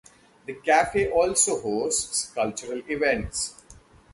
The cafe also hosts cultural events.